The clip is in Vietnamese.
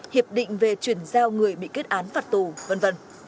hiệp định về chuyển giao người bị kết án phạt tù v v